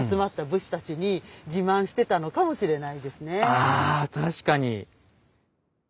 あ確かに。